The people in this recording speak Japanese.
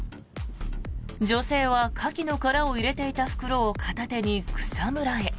女性はカキの殻を入れていた袋を片手に草むらへ。